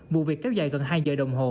vụ việc kéo dài gần hai giờ đồng hồ